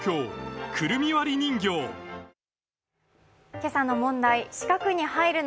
今朝の問題。